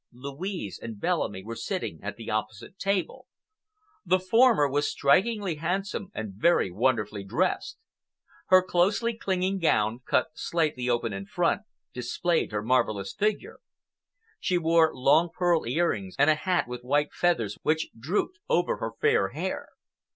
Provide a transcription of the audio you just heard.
Louise and Bellamy were sitting at the opposite table. The former was strikingly handsome and very wonderfully dressed. Her closely clinging gown, cut slightly open in front, displayed her marvelous figure. She wore long pearl earrings, and a hat with white feathers which drooped over her fair hair.